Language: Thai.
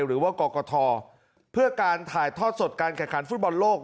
หรือว่ากรกฐเพื่อการถ่ายทอดสดการแข่งขันฟุตบอลโลก